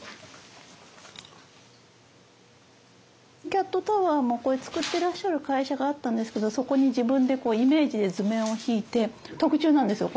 キャットタワーもこれ作ってらっしゃる会社があったんですけどそこに自分でイメージで図面を引いて特注なんですよ